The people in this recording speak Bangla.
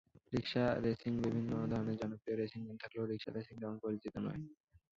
রিকশা রেসিংবিভিন্ন ধরনের জনপ্রিয় রেসিং গেম থাকলেও রিকশা রেসিং তেমন পরিচিত নয়।